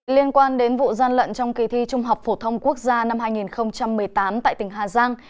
liên quan đến vụ gian lận trong kỳ thi trung học phổ thông quốc gia năm hai nghìn một mươi tám tại tỉnh hà giang